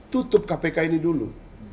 tutup kpk ini dulu